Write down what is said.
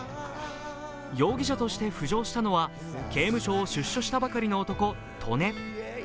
容疑者として浮上したのは刑務所を出所したばかりの男、利根。